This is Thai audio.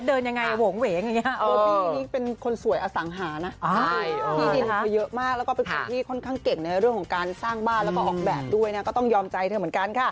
ดูก่อนว่ามีรูปไหมว่ารูปสวยไหม